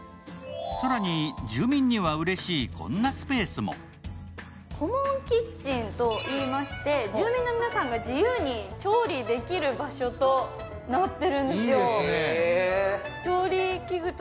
更に住民にはうれしいこんなスペースもコモンキッチンといいまして住民の皆さんが自由に調理できる場所となっているんですよ。